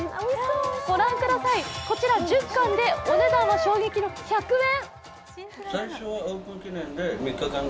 ご覧ください、こちら１０貫でお値段は衝撃の１００円！